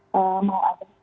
pemasangan yang dijawab